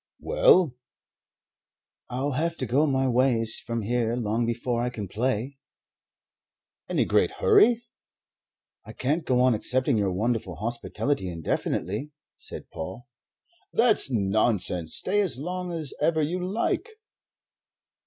"Well?" "I'll have to go my ways from here long before I can play." "Any great hurry?" "I can't go on accepting your wonderful hospitality indefinitely," said Paul. "That's nonsense. Stay as long as ever you like."